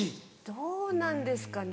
どうなんですかね？